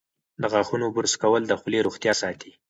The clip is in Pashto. د غاښونو برس کول د خولې روغتیا ساتي.